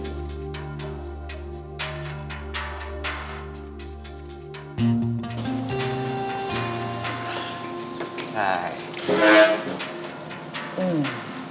sampai jumpa di video selanjutnya